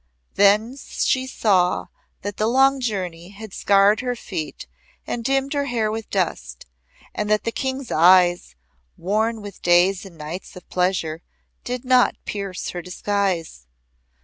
Then she saw that the long journey had scarred her feet and dimmed her hair with dust, and that the King's eyes, worn with days and nights of pleasure did not pierce her disguise.